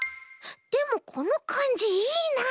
でもこのかんじいいな。